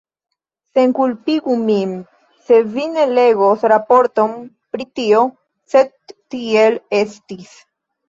Senkulpigu min se vi ne legos raporton pri tio, sed tiel estis.